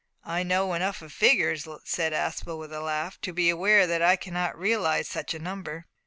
"I know enough of figures," said Aspel, with a laugh, "to be aware that I cannot realise such a number."